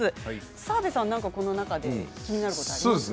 澤部さん、この中で気になることありますか？